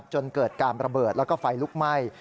จนเกิดการระเบิดแล้วก็ไฟลุกไหม้